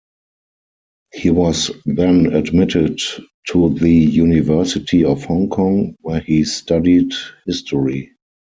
He was then admitted to The University of Hong Kong, where he studied history.